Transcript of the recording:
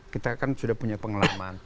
kita kan sudah punya pengalaman